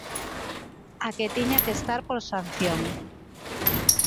A que tiña que estar por sanción.